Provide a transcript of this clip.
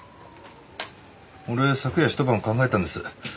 俺昨夜ひと晩考えたんです。